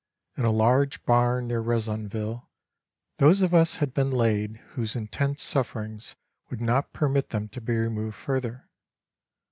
In a large barn near Rezonville those of us had been laid whose intense sufferings would not permit them to be removed further.